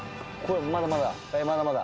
まだまだまだまだ。